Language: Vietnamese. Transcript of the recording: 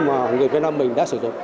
mà người việt nam mình đã sử dụng